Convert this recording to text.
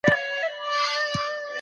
د پوهي په نړۍ کي تقلید ته ځای نسته.